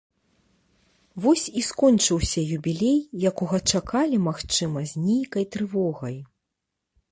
Вось і скончыўся юбілей, якога чакалі, магчыма, з нейкай трывогай.